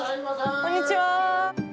こんにちは。